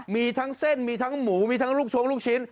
มีทั้งเส้นมีทั้งหมูมีทั้งลูกชงลูกชิ้น